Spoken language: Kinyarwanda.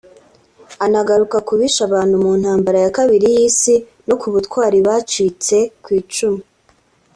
Anagaruka ku bishe abantu mu ntambara ya kabiri y’Isi no ku butwari bw’abacitse ku icumu